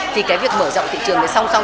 thì cái việc mở rộng thị trường này song song